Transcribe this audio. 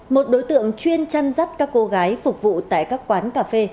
một đối tượng chuyên chăn rắt các cô gái phục vụ tại các quán cà phê